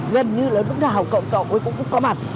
gần như là lúc nào cậu cũng có mặt